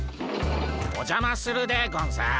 おじゃまするでゴンス。